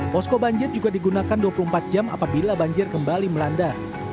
posko banjir juga digunakan dua puluh empat jam apabila banjir kembali melanda